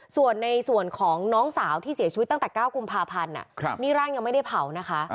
ส่วนในส่วนของน้องสาวที่เสียชีวิตตั้งแต่๙กุมภาพันธ์นี่ร่างยังไม่ได้เผานะคะ